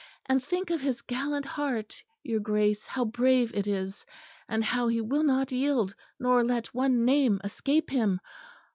And think of his gallant heart, your Grace, how brave it is; and how he will not yield nor let one name escape him.